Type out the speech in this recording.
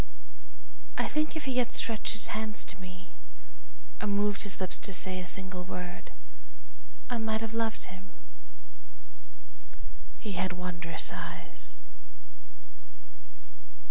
I think if he had stretched his hands to me, Or moved his lips to say a single word, I might have loved him he had wondrous eyes.